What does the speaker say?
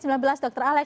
dr alex selamat malam